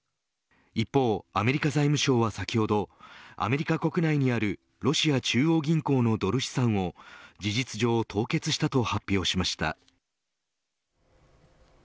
一方、アメリカ財務省は先ほどアメリカ国内にあるロシア中央銀行のドル資産を事実上凍結したと発表しました。